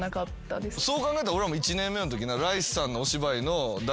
そう考えたら俺らも１年目のとき。